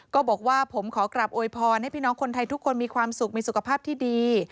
ก็บอกว่าผมขอกลับโวยพรให้พี่น้องคนไทยทุกคนมีความสุขมีสุขภาพที่ดี